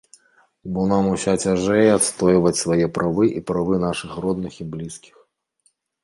Бо нам ўся цяжэй адстойваць свае правы і правы нашых родных і блізкіх.